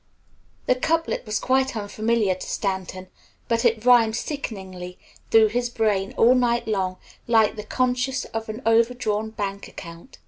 The couplet was quite unfamiliar to Stanton, but it rhymed sickeningly through his brain all night long like the consciousness of an over drawn bank account.